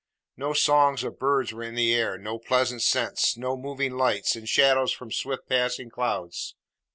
No songs of birds were in the air, no pleasant scents, no moving lights and shadows from swift passing clouds.